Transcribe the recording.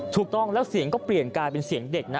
ถูกต้องแล้วเสียงก็เปลี่ยนกลายเป็นเสียงเด็กนะ